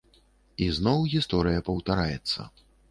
І зноў гісторыя паўтараецца.